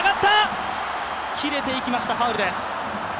切れていきました、ファウルです。